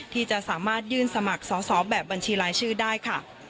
ที่จะสามารถยื่นสมัครสอบแบบบัญชีรายชื่อได้ค่ะ